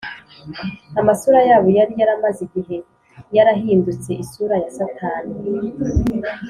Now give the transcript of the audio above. amasura yabo yari yaramaze igihe yarahindutse isura ya satani